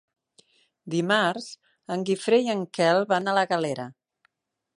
Dimarts en Guifré i en Quel van a la Galera.